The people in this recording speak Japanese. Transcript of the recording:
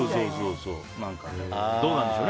どうなんでしょう。